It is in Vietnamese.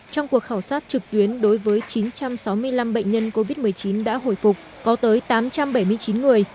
trong cuộc khảo sát trực tuyến đối với chín trăm sáu mươi năm bệnh nhân covid một mươi chín đã hồi phục có tới tám trăm bảy mươi chín người